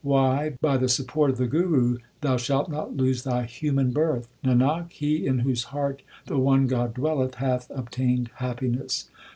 Y. By the support of the Guru thou shalt not lose thy human birth. Nanak, he in whose heart the one God dwelleth hath obtained happiness.